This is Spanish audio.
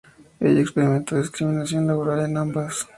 Ella experimentó discriminación laboral en ambas.